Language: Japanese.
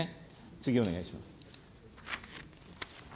次お願いします。